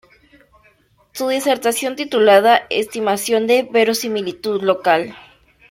Su disertación titulada "Estimación de Verosimilitud Local".